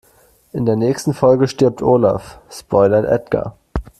In der nächsten Folge stirbt Olaf, spoilert Edgar.